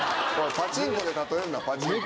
パチンコで例えるなパチンコで。